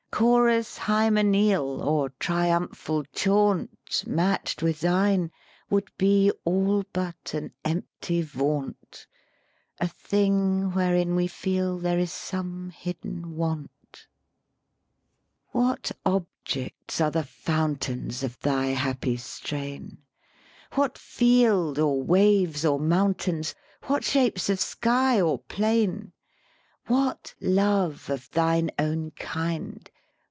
"Chorus hymeneal Or triumphal chaunt Match'd with thine, would be all But an empty vaunt A thing wherein we feel there is some hidden want. 121 THE SPEAKING VOICE "What objects are the fountains Of thy happy strain? What field, or waves, or mountains? What shapes of sky or plain? What love of thine own kind?